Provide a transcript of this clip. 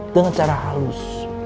dengan cara halus